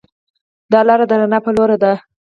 دا لار د رڼا پر لور ده.